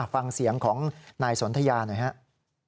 ฟังเสียงของนายสนทยาหน่อยครับ